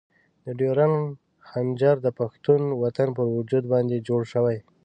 د ډیورنډ خنجر د پښتون وطن پر وجود باندې جوړ شوی.